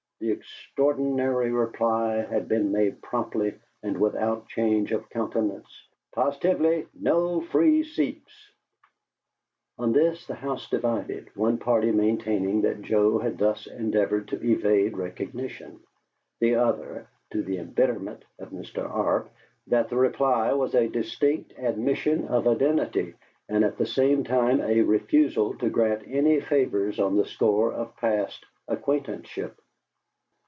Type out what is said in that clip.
the extraordinary reply had been made promptly and without change of countenance: "POSITIVELY NO FREE SEATS!" On this, the house divided, one party maintaining that Joe had thus endeavored to evade recognition, the other (to the embitterment of Mr. Arp) that the reply was a distinct admission of identity and at the same time a refusal to grant any favors on the score of past acquaintanceship.